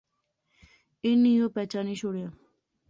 اُنی او پچھانی شوڑیا